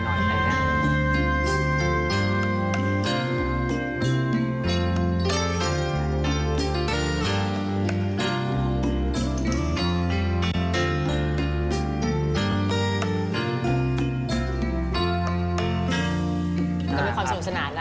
ก็มีความสนุกขนาดนะคะ